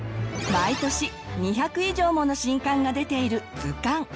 毎年２００以上もの新刊が出ている図鑑。